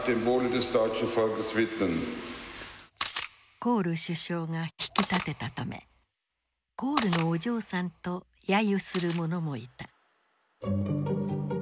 コール首相が引き立てたため「コールのお嬢さん」と揶揄する者もいた。